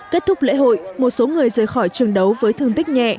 kết thúc lễ hội một số người rời khỏi trường đấu với thương tích nhẹ